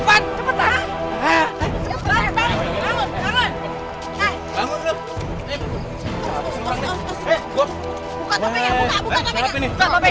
bangun bangun bangun